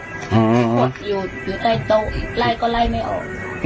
อ๋ออ๋ออยู่อยู่ใต้โต๊ะไล่ก็ไล่ไม่ออก